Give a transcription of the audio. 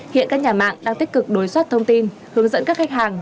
hiện các nhà mạng đang tích cực đối soát thông tin hướng dẫn các khách hàng